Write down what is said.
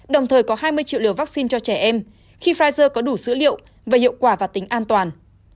đồng thời có hai mươi triệu liều vaccine cho trẻ em khi pfizer có đủ dữ liệu về hiệu quả và tính an toàn